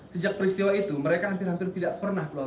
sejak peristiwa itu mereka hampir hampir tidak pernah keluar